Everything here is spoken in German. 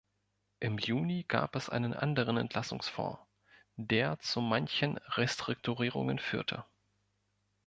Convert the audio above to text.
Im Juni gab es einen anderen Entlassungsfonds, der zu manchen Restrukturierungen führte.